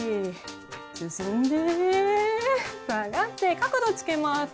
進んで下がって角度つけます。